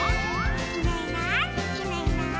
「いないいないいないいない」